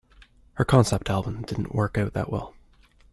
Her concept album didn't work out that well.